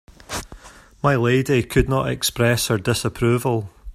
My lady could not express her disapproval.